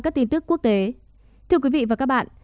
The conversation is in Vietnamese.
các tin tức quốc tế thưa quý vị và các bạn